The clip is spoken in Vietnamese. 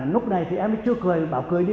lúc này thì em ấy chưa cười bảo cười đi